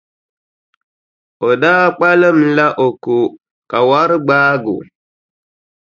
O daa kpalimla o ko, ka wari gbaagi o.